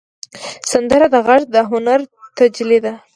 سندره د غږ د هنر تجلی ده